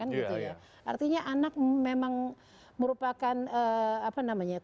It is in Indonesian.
artinya anak memang merupakan korban yang paling rentan